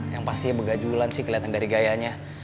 yang pasti begajulan sih kelihatan dari gayanya